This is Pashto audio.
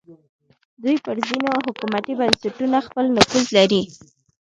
دوی پر ځینو حکومتي بنسټونو خپل نفوذ لري